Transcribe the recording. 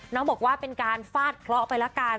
น้องบอกว่าเป็นการฟาดเคราะห์ไปละกัน